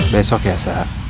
besok ya saat